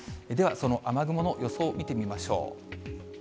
その雨雲の予想を見てみましょう。